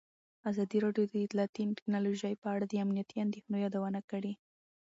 ازادي راډیو د اطلاعاتی تکنالوژي په اړه د امنیتي اندېښنو یادونه کړې.